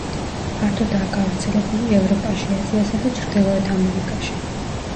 ფართოდაა გავრცელებული ევროპაში, აზიასა და ჩრდილოეთ ამერიკაში.